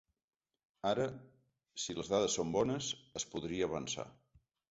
Ara, si les dades són bones, es podria avançar.